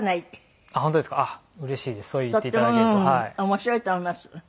面白いと思います。